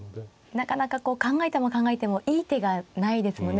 なかなか考えても考えてもいい手がないですもんね。